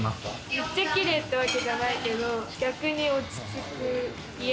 めっちゃキレイってわけじゃないけど、逆に落ち着く。